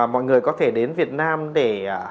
mọi người có thể đến việt nam để